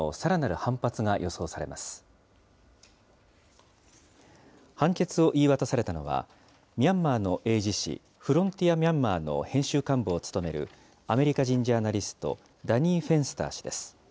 判決を言い渡されたのは、ミャンマーの英字誌、フロンティア・ミャンマーの編集幹部を務める、アメリカ人ジャーナリスト、ダニー・フェンスター氏です。